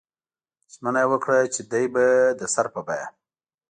ژمنه یې وکړه چې دی به د سر په بیه.